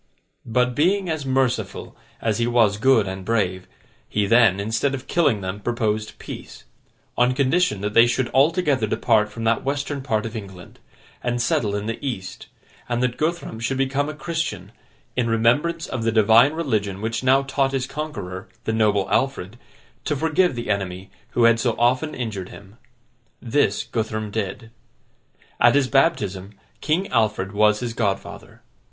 But, being as merciful as he was good and brave, he then, instead of killing them, proposed peace: on condition that they should altogether depart from that Western part of England, and settle in the East; and that Guthrum should become a Christian, in remembrance of the Divine religion which now taught his conqueror, the noble Alfred, to forgive the enemy who had so often injured him. This, Guthrum did. At his baptism, King Alfred was his godfather.